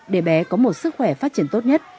để bé có một sức khỏe phát triển tốt nhất